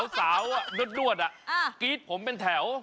สาวนวดกรี๊ดผมเป็นแถว